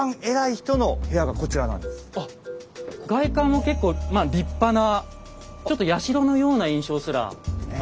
あっ外観も結構まあ立派なちょっと社のような印象すらありますよね。